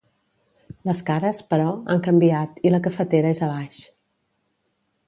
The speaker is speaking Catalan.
Les cares, però, han canviat i la cafetera és a baix.